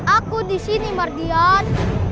aku disini mardian